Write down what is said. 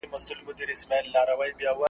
داسي وسوځېدم ولاړم لکه نه وم چا لیدلی .